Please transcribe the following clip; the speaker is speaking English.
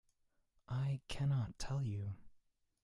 I cannot tell you.